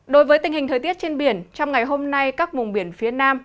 đối với tình hình thời tiết trên biển trong ngày hôm nay các vùng biển phía nam